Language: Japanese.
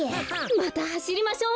またはしりましょう！